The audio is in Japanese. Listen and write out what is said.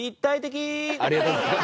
ありがとうございます。